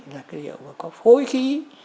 là cái điệu có phối khí